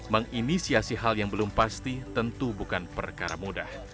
menginisiasi hal yang belum pasti tentu bukan perkara mudah